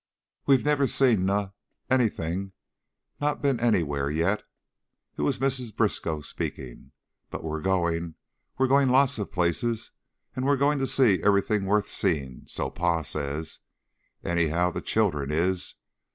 "We've never seen noth anything, nor been anywhere, yet." It was Mrs. Briskow speaking. "But we're goin'. We're goin' lots of places and we're goin' to see everything wuth seein', so Pa says. Anyhow, the children is.